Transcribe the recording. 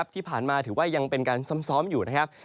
ที่ผ่านมาถือว่ายังเป็นการซ้อมอยู่นะครับ